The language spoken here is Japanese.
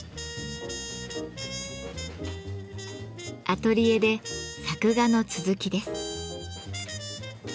アトリエで作画の続きです。